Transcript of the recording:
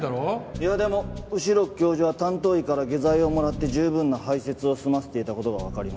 いやでも後宮教授は担当医から下剤をもらって十分な排泄を済ませていた事がわかりました。